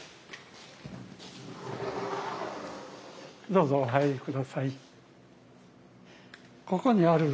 どうぞお入り下さい。